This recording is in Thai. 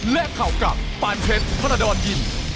และข่าวกับปานเช็ดพดยิน